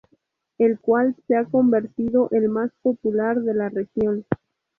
El cual se ha convertido el más popular de la región.